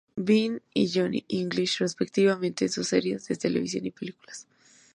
Bean" y "Johnny English" respectivamente en sus series de televisión y películas.